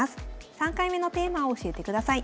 ３回目のテーマを教えてください。